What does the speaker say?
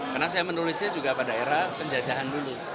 karena saya menulisnya juga pada era penjajahan dulu